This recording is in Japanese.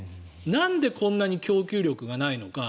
なんでこんなに供給力がないのか。